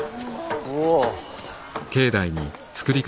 おお。